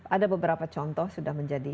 ada beberapa contoh sudah menjadi